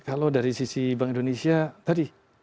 kalau dari sisi bank indonesia tadi